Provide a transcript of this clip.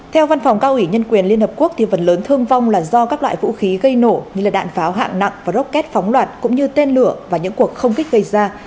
theo văn phòng cao ủy nhân quyền liên hợp quốc phần lớn thương vong là do các loại vũ khí gây nổ như đạn pháo hạng nặng và rocket phóng loạt cũng như tên lửa và những cuộc không kích gây ra